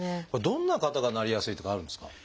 どんな方がなりやすいとかあるんですか？